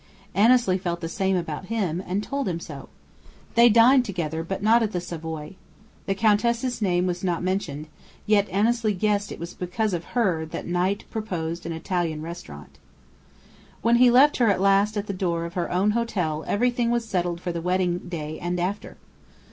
Annesley felt the same about him, and told him so. They dined together, but not at the Savoy. The Countess's name was not mentioned, yet Annesley guessed it was because of her that Knight proposed an Italian restaurant. When he left her at last at the door of her own hotel everything was settled for the wedding day and after.